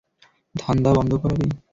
ধান্দা বন্ধ করাবি।